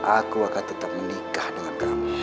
aku akan tetap menikah dengan kami